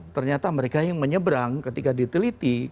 ternyata mereka yang menyeberang ketika diteliti